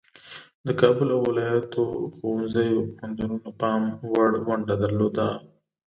د کابل او ولایاتو ښوونځیو او پوهنتونونو پام وړ ونډه درلوده.